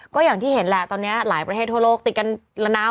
ก็อย่างที่เห็นแหละตอนนี้หลายประเทศทั่วโลกติดกันแล้วนะ